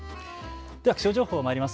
気象情報まいります。